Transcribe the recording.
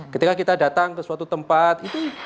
ketika kita datang ke suatu tempat itu